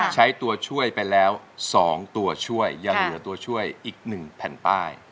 ใช้ตัวช่วยไปแล้ว๒ตัวช่วยยังเหลือตัวช่วยอีก๑แผ่นป้าย